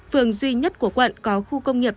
phường duy nhất của quận có khu công nghiệp